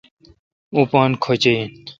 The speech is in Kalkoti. اوں پان کھوش این